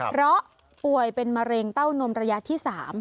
เพราะป่วยเป็นมะเร็งเต้านมระยะที่๓